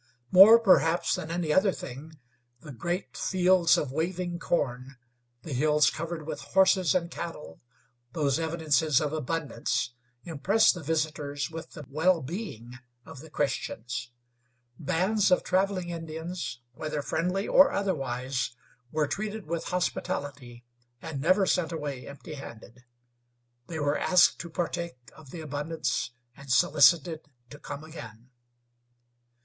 More, perhaps, than any other thing, the great fields of waving corn, the hills covered with horses and cattle, those evidences of abundance, impressed the visitors with the well being of the Christians. Bands of traveling Indians, whether friendly or otherwise, were treated with hospitality, and never sent away empty handed. They were asked to partake of the abundance and solicited to come again.